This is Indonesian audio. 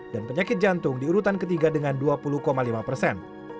dan penyakit jantung diurutan ketiga dengan dua puluh lima persen